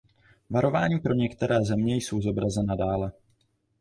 Varování pro některé země jsou zobrazena dále.